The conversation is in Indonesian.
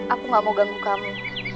aku gak mau ganggu kami